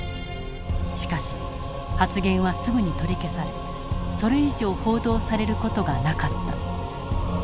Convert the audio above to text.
しかし発言はすぐに取り消されそれ以上報道される事がなかった。